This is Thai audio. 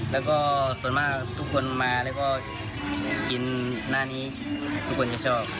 แล้วก็ส่วนมากทุกคนมาแล้วก็กินหน้านี้ทุกคนจะชอบ